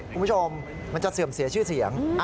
คุณผู้ชมมันจะเสื่อมเสียชื่อเสียง